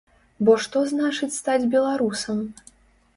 Бо што значыць стаць беларусам?